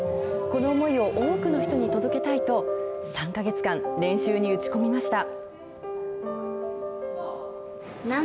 この思いを多くの人に届けたいと、３か月間練習に打ち込みました。